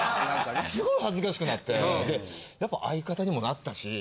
すごい恥ずかしくなってやっぱ相方にもなったし。